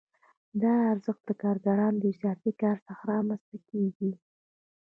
دا ارزښت د کارګرانو له اضافي کار څخه رامنځته کېږي